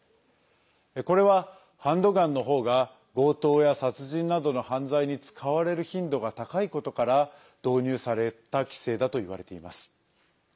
これは、ハンドガンのほうが強盗や殺人などの犯罪に使われる頻度が高いことから導入された規制だといわれています。